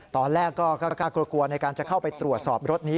ตอนแรกก็กล้ากลัวในการจะเข้าไปตรวจสอบรถนี้